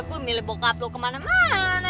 gue milih bongkar lo kemana mana